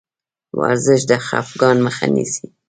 ورزش د خفګان مخه نیسي.